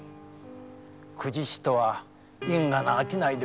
公事師とは因果な商いでございますねえ。